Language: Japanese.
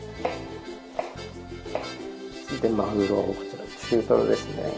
続いてマグロをこちら中トロですね。